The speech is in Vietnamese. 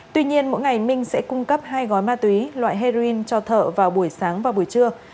tuy nhiên mỗi ngày minh sẽ cung cấp hai gói ma túy loại heroin cho thợ vào buổi sáng và buổi trưa